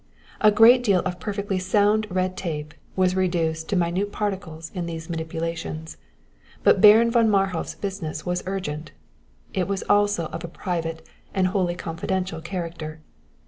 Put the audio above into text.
A great deal of perfectly sound red tape was reduced to minute particles in these manipulations; but Baron von Marhof's business was urgent; it was also of a private and wholly confidential character.